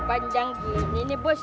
panjang gini bos